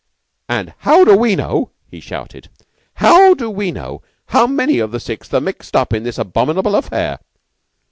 "And how do we know," he shouted "how do we know how many of the Sixth are mixed up in this abominable affair?"